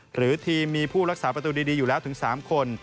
หรือทีมมีผู้รักษาประตูดีอยู่แล้วถึง๓คน